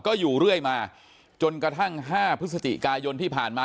ก็อยู่เรื่อยมาจนกระทั่ง๕พฤศจิกายนที่ผ่านมา